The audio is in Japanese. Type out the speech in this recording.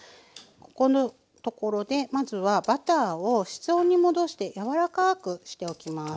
ここのところでまずはバターを室温に戻して柔らかくしておきます。